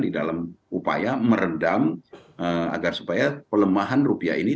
di dalam upaya meredam agar supaya pelemahan rupiah ini